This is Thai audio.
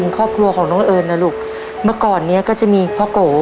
ก็ไกลพอสมควรครับ